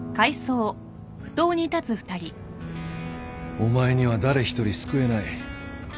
お前には誰一人救えない